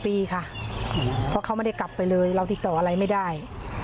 ปีค่ะเพราะเขาไม่ได้กลับไปเลยเราติดต่ออะไรไม่ได้